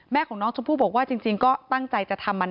แม่ของน้องชมพู่บอกว่าจริงก็ตั้งใจจะทำมานานแล้ว